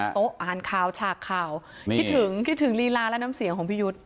โต๊ะอ่านข่าวฉากข่าวคิดถึงคิดถึงลีลาและน้ำเสียงของพี่ยุทธ์